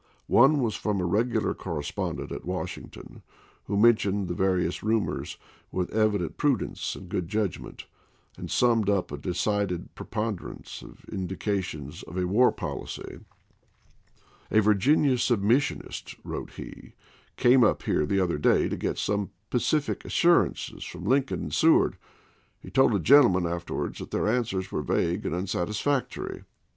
One was from a regular correspondent at Washington who mentioned the various rumors with evident prudence and good judgment, and summed up a decided preponderance of indica tions of a war policy. "A Virginia submissionist," wrote he, "came up here the other day to get some pacific assurances from Lincoln and Seward. He told a gentleman afterwards that their answers were vague and unsatisfactory.